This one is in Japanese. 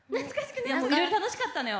いろいろ楽しかったのよ。